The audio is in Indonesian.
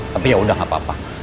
tapi yaudah gapapa